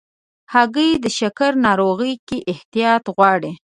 هګۍ د شکر ناروغۍ کې احتیاط غواړي.